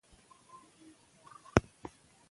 دا د افغانۍ ارزښت ساتي.